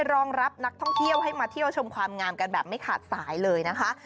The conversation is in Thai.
รองรับนักท่องเที่ยวให้มาเที่ยวชมความงามกันแบบไม่ขาดสายเลยนะคะ